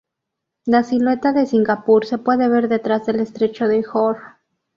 La silueta de Singapur se puede ver detrás del estrecho de Johor.